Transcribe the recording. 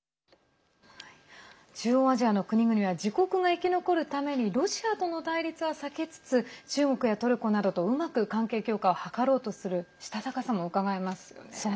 中央アジアの国々は自国が生き残るためにロシアとの対立は避けつつ中国やトルコなどとうまく関係強化を図ろうとするしたたかさもうかがえますよね。